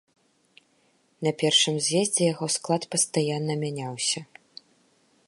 На першым з'ездзе яго склад пастаянна мяняўся.